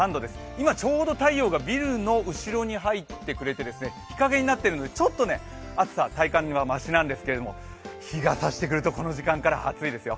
今ちょうど太陽がビルの後ろに入ってくれて日陰になっているので、ちょっと暑さ体感はましなんですけど、日がさしてくるとこの時間から暑いですよ。